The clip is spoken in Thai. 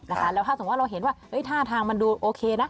แล้วถ้าสมมุติเราเห็นว่าท่าทางมันดูโอเคนะ